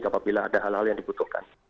apabila ada hal hal yang dibutuhkan